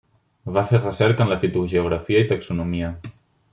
Va fer recerca en la fitogeografia i taxonomia.